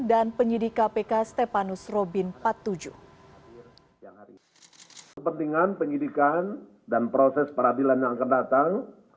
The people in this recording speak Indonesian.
dan penyidik kpk stepanus robin empat puluh tujuh